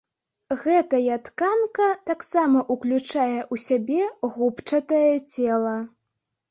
Гэтая тканка таксама ўключае ў сябе губчатае цела.